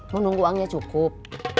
mau nunggu uangnya cukup